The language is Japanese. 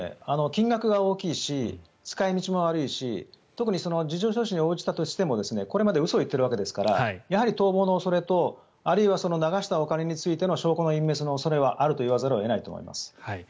金額が大きいし使い道も悪いし特に事情聴取に応じたとしてもこれまで嘘を言っているわけですからやはり逃亡の恐れとあるいは流したお金についての証拠隠滅の恐れはあると言わざるを得ないと思います。